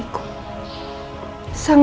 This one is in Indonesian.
am kamu masih nak